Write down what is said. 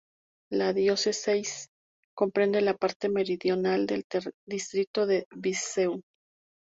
La diócesis comprende la parte meridional del distrito de Viseu.